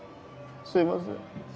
すいません。